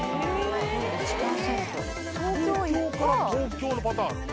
東京から東京のパターンあるの？